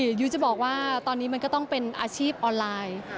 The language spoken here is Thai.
ยุ้ยจะบอกว่าตอนนี้มันก็ต้องเป็นอาชีพออนไลน์